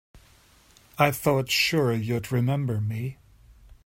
I thought sure you'd remember me.